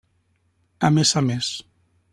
A més a més.